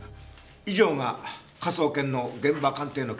以上が科捜研の現場鑑定の結果です。